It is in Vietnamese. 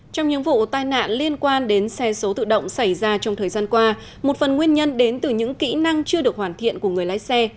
trong những vụ tai nạn liên quan đến xe số tự động xảy ra trong thời gian qua một phần nguyên nhân đến từ những kỹ năng chưa được hoàn thiện của người lái xe